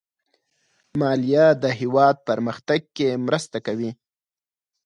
مالیه د هېواد پرمختګ کې مرسته کوي.